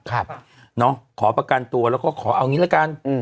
ครับเนอะขอประกันตัวแล้วก็ขอเอางี้แล้วกันอืม